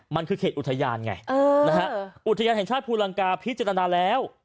มันคือเขตอุทยานไงอุทยานแห่งชาติภูลังกาพิจารณาแล้ว